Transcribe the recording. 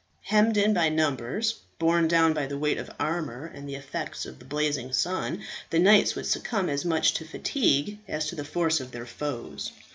Hemmed in by numbers, borne down by the weight of armour and the effects of the blazing sun, the knights would succumb as much to fatigue as to the force of their foes.